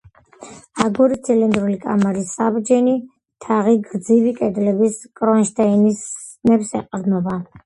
აგურის ცილინდრული კამარის საბჯენი თაღი გრძივი კედლების კრონშტეინებს ეყრდნობა.